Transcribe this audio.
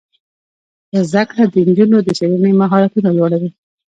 زده کړه د نجونو د څیړنې مهارتونه لوړوي.